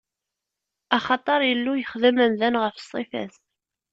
Axaṭer Illu yexdem amdan ɣef ṣṣifa-s.